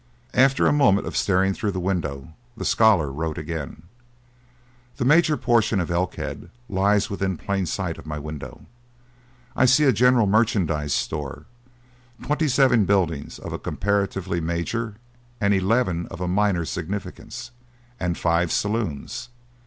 After a moment of staring through the window the scholar wrote again: "The major portion of Elkhead lies within plain sight of my window. I see a general merchandise store, twenty seven buildings of a comparatively major and eleven of a minor significance, and five saloons.